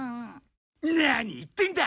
何言ってんだ！